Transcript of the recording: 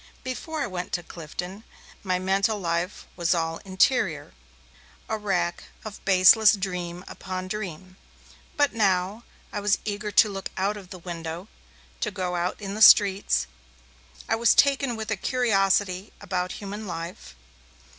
Before I went to Clifton, my mental life was all interior, a rack of baseless dream upon dream. But, now, I was eager to look out of the window, to go out in the streets; I was taken with a curiosity about human life.